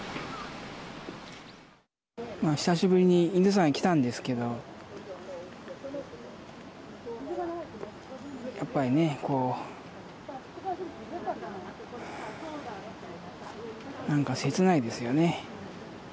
久しぶりに伊豆山に来たんですけどやっぱりねこう、なんか切ないですよね。